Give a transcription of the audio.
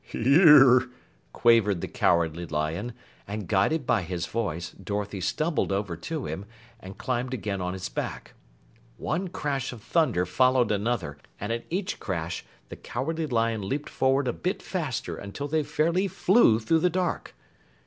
"Here," quavered the Cowardly Lion, and guided by his voice, Dorothy stumbled over to him and climbed again on his back. One crash of thunder followed another, and at each crash the Cowardly Lion leapt forward a bit faster until they fairly flew through the dark.